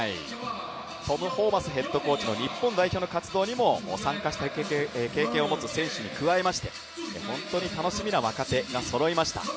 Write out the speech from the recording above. トム・ホーバスヘッドコーチの日本活動にも参加した経験のある選手に加えまして本当に楽しみな若手がそろいました。